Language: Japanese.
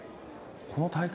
この大会？